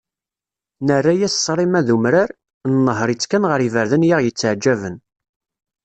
Nerra-as ṣrima d umrar, nnehher-itt kan ɣer yiberdan i aɣ-yetteɛjaben.